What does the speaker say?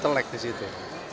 terlek di situ